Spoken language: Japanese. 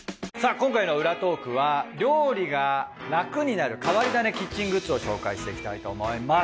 今回の裏トークは料理が楽になる変わり種キッチングッズを紹介していきたいと思います。